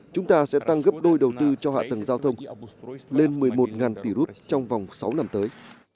chúng ta sẽ tăng gấp đôi đầu tư cho hạ tầng giao thông lên một mươi một tỷ rút trong vòng sáu năm tới